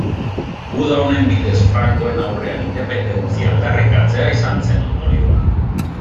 Guda honen bidez frankoen aurrean independentzia aldarrikatzea izan zen ondorioa.